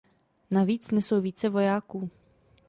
Navíc nesou více vojáků.